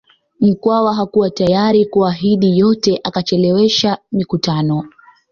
Mkwawa hakuwa tayari kuahidi yote akachelewesha mikutano